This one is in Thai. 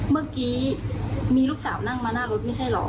เมื่อกี้มีลูกสาวนั่งมาหน้ารถไม่ใช่เหรอ